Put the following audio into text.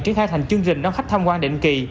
triển khai thành chương trình đón khách tham quan định kỳ